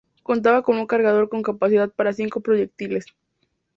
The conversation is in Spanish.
Contaba con un cargador con capacidad para cinco proyectiles.